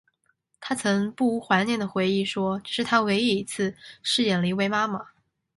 她曾不无怀念的回忆说这是她唯一一次饰演了一位妈妈。